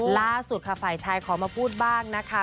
ล่าสุดค่ะฝ่ายชายขอมาพูดบ้างนะคะ